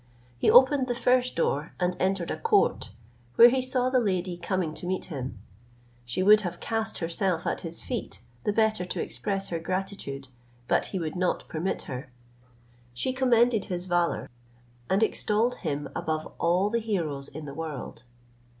He opened the first door, and entered a court, where he saw the lady coming to meet him; she would have cast herself at his feet, the better to express her gratitude, but he would not permit her. She commended his valour, and extolled him above all the heroes in the world.